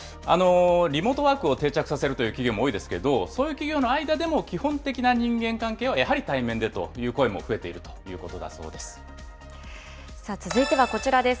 リモートワークを定着させるという企業も多いですけど、そういう企業の間でも基本的な人間関係は、やはり対面でという声も増えていさあ、続いてはこちらです。